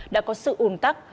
đã có sự ồn tắc